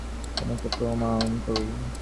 তুমি আমার বিচারক, আমি তোমাকে প্রণাম করি।